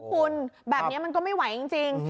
คุณแบบนี้มันก็ไม่ไหวจริง